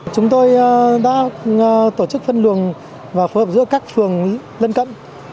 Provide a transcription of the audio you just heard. chúng tôi đã tổ chức phân đường và phù hợp giữa các phường lân cận